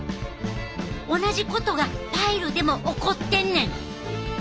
同じことがパイルでも起こってんねん！